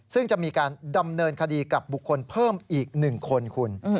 ซึ่งจะมีการดำเนินคดีกับบุคคลเพิ่มอีก๑คนคุณ